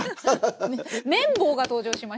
麺棒が登場しました。